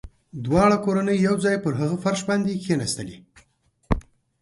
دواړه کورنۍ يو ځای پر هغه فرش باندې کښېناستلې.